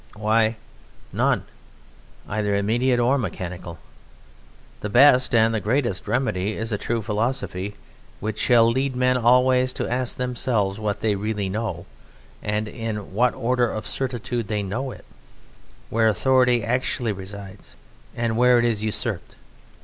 Why, none, either immediate or mechanical. The best and the greatest remedy is a true philosophy, which shall lead men always to ask themselves what they really know and in what order of certitude they know it; where authority actually resides and where it is usurped.